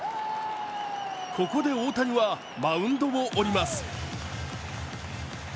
ここで大谷はマウンドを降ります。